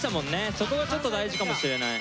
そこがちょっと大事かもしれない。